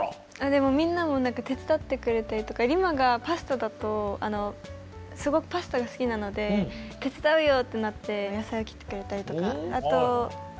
でもみんなも手伝ってくれたりとかＲＩＭＡがパスタだとすごくパスタが好きなので手伝うよってなって野菜を切ってくれたりとかあと。